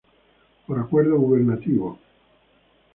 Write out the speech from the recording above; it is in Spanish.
Por acuerdo Gubernativo No.